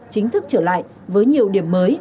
chính thức trở lại với nhiều điểm mới